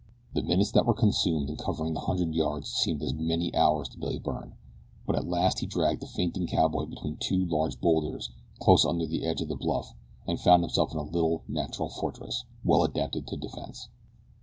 The minutes that were consumed in covering the hundred yards seemed as many hours to Billy Byrne; but at last he dragged the fainting cowboy between two large bowlders close under the edge of the bluff and found himself in a little, natural fortress, well adapted to defense.